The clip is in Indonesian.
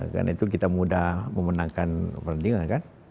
karena itu kita mudah memenangkan perlendingan kan